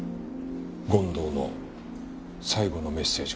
権藤の最後のメッセージか。